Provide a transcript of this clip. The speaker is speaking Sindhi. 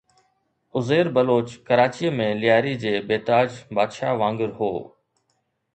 عزير بلوچ ڪراچيءَ ۾ لياري جي بي تاج بادشاهه وانگر هو.